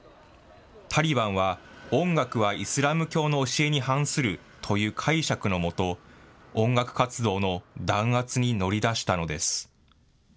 タリバンは、音楽はイスラム教の教えに反するという解釈のもと、音楽活動の弾圧に乗り出したのです。